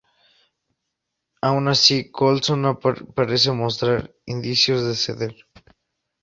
Aun así, Colson no parece mostrar indicios de ceder.